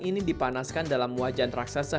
ini dipanaskan dalam wajan raksasa